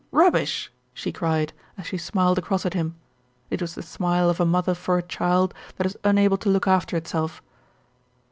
"Rubbish!" she cried, as she smiled across at him; it was the smile of a mother for a child that is unable to look after itself.